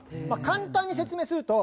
簡単に説明すると。